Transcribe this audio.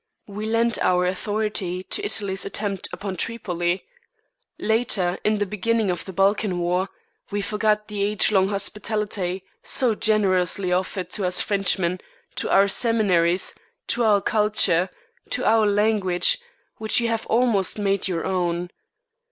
We lent our authority to Italy's attempt upon Tripoli. Later, in the beginning of the Balkan War, we forgot the age long hospitality so generously offered to us Frenchmen, to our seminaries, to our culture, to our language, which you have almost made your own.